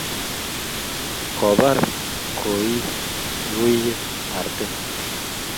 kobar kuikuiet arte